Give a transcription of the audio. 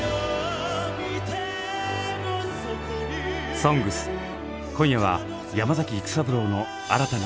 「ＳＯＮＧＳ」今夜は山崎育三郎の新たな挑戦に迫ります。